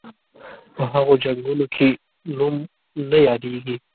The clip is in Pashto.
په هغو جنګونو کې نوم نه یادیږي.